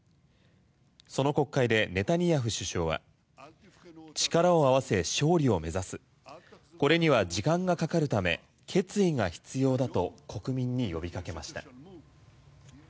その国会でネタニヤフ首相は力を合わせ勝利を目指すこれには時間がかかるため決意が必要だと国民に呼びかけました。